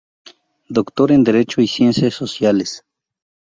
Doctor en Derecho y Ciencias Sociales.